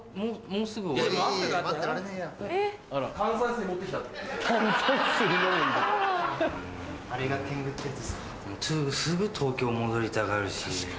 もうすぐ東京戻りたがるし。